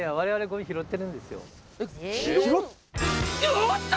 おっと！